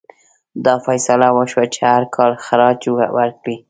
دا فیصله وشوه چې هر کال خراج ورکړي.